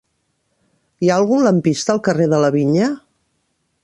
Hi ha algun lampista al carrer de la Vinya?